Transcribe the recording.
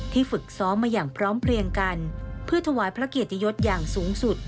ฝึกซ้อมมาอย่างพร้อมเพลียงกันเพื่อถวายพระเกียรติยศอย่างสูงสุด